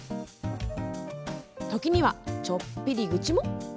時には、ちょっぴり愚痴も。